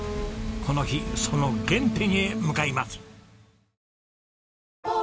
この日その原点へ向かいます。